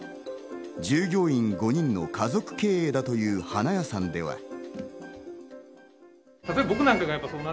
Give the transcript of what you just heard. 従業員５人の家族経営だという花屋さんでは。